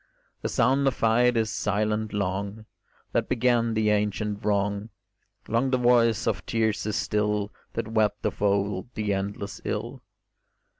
The sound of fight is silent long That began the ancient wrong; Long the voice of tears is still That wept of old the endless ill.